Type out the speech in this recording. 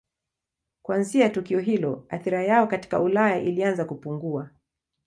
Kuanzia tukio hilo athira yao katika Ulaya ilianza kupungua.